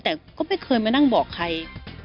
แต่ก็ไม่เคยมานั่งบอกใคร